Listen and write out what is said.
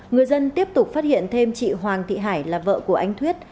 người dân tiếp tục phát hiện thêm chị hoàng thị hải là vợ của anh thuyết